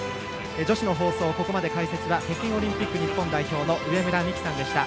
女子の放送、ここまで解説は北京オリンピック日本代表の上村美揮さんでした。